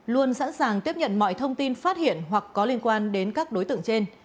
luôn sẵn sàng tiếp nhận mọi thông tin phát hiện hoặc có liên quan đến các đối tượng trên